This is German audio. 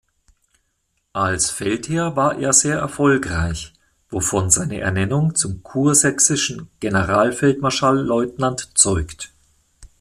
Als Feldherr war er sehr erfolgreich, wovon seine Ernennung zum kursächsischen Generalfeldmarschall-Leutnant zeugt.